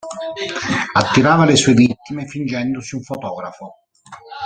Attirava le sue vittime fingendosi un fotografo.